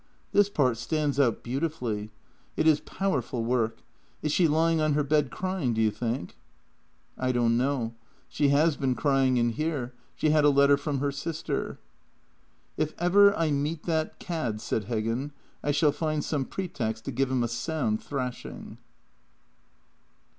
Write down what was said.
" This part stands out beautifully. It is powerful work. Is she lying on her bed crying, do you think? "" I don't know. She has been crying in here. She had a letter from her sister." " If ever I meet that cad," said Hebben, " I shall find some pretext to give him a sound thrashing."